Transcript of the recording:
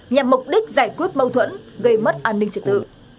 nhằm mục đích giải quyết mâu thuẫn gây mất an ninh trật tự